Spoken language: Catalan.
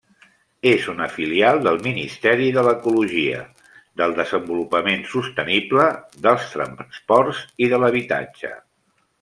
És una filial del Ministeri de l'Ecologia, del Desenvolupament Sostenible, dels Transports i de l'Habitatge.